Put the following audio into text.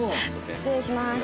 失礼します。